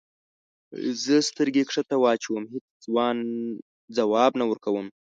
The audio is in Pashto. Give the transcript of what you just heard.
زه سترګې کښته واچوم هیڅ ځواب نه ورکوم.